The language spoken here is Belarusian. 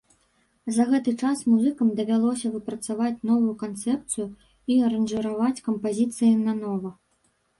За гэты час музыкам давялося выпрацаваць новую канцэпцыю і аранжыраваць кампазіцыі нанова.